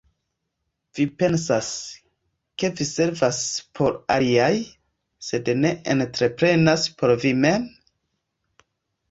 Vi pensas, ke vi servas por aliaj, sed ne entreprenas por vi mem!